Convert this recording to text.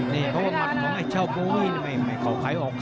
เนี่ยเมื่อกามาส